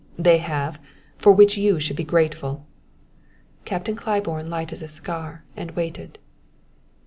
"They have for which you should be grateful!" Captain Claiborne lighted a cigar and waited.